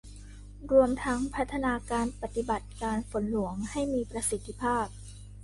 รวมทั้งพัฒนาการปฏิบัติการฝนหลวงให้มีประสิทธิภาพ